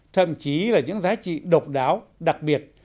thậm chí là những giá trị độc đáo đặc biệt